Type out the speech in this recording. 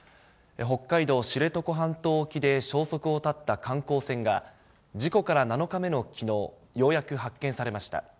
北海道知床半島沖で消息を絶った観光船が、事故から７日目のきのう、ようやく発見されました。